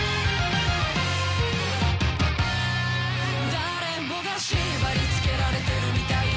誰もが縛り付けられてるみたいだ